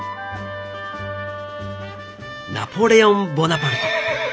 ナポレオン・ボナパルト。